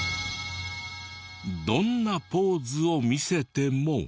どんなポーズを見せても。